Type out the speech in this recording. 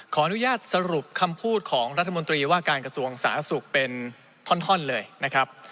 ขออนุญาตสรุปคำพูดของรัฐมนตรีว่าการกระทรวงสาธารณสุขเป็นท่อนเลยนะครับ